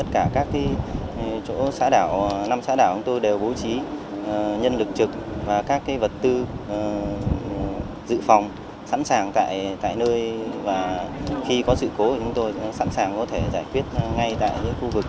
các chỗ xã đảo năm xã đảo chúng tôi đều bố trí nhân lực trực và các vật tư dự phòng sẵn sàng tại nơi và khi có sự cố chúng tôi sẵn sàng có thể giải quyết ngay tại những khu vực